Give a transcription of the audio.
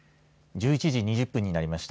１１時２０分になりました。